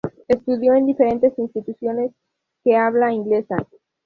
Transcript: Estudió en diferentes instituciones de habla inglesa.